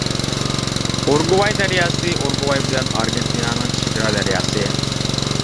ئۇرۇگۋاي دەرياسى ئۇرۇگۋاي بىلەن ئارگېنتىنانىڭ چېگرا دەرياسى.